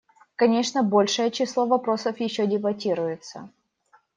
Конечно, большое число вопросов еще дебатируется.